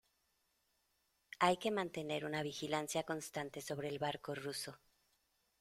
hay que mantener una vigilancia constante sobre el barco ruso.